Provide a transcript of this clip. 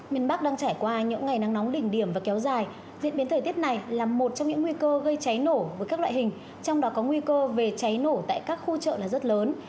miền bắc đang trải qua những ngày nắng nóng đỉnh điểm và kéo dài diễn biến thời tiết này là một trong những nguy cơ gây cháy nổ với các loại hình trong đó có nguy cơ về cháy nổ tại các khu chợ là rất lớn